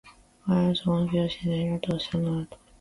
「吾輩はここの教師の家にいるのだ」「どうせそんな事だろうと思った